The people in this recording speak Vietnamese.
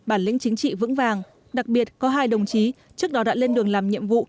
bản lĩnh chính trị vững vàng đặc biệt có hai đồng chí trước đó đã lên đường làm nhiệm vụ